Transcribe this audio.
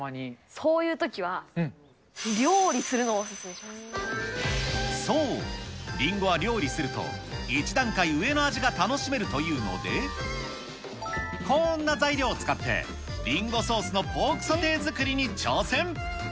そういうときは、料理するのそう、りんごは料理すると、一段階上の味が楽しめるというので、こんな材料を使って、りんごソースのポークソテー作りに挑戦。